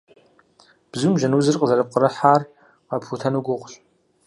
Бзум жьэн узыр къызэрыпкърыхьар къэпхутэну гугъущ.